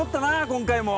今回も。